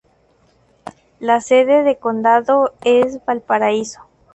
La sede de condado es Valparaiso.